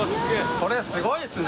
これすごいですね。